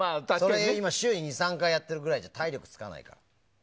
週に２３回やっているくらいじゃ体力つかないから。